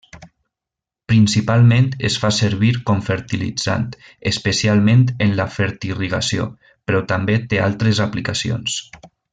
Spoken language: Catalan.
Principalment es fa servir com fertilitzant, especialment en la fertirrigació, però també té altres aplicacions.